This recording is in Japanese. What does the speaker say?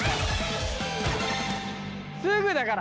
すぐだから！